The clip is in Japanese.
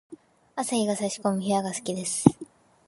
朝日が差し込む部屋が好きです。